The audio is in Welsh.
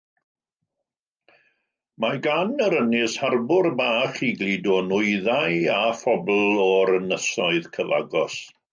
Mae gan yr ynys harbwr bach i gludo nwyddau a phobl o'r ynysoedd cyfagos.